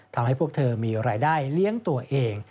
ทำให้พวกเธอมีรายได้เลี้ยงตัวเอง